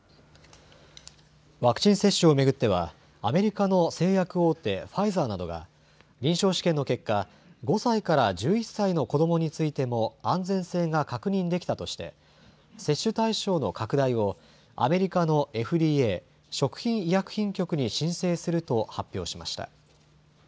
ワクチン接種を巡っては、アメリカの製薬大手、ファイザーなどが、臨床試験の結果、５歳から１１歳の子どもについても、安全性が確認できたとして、接種対象の拡大を、アメリカのＦＤＡ・食品医薬品局に申請すると発表しました。